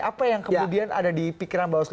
apa yang kemudian ada di pikiran bawaslu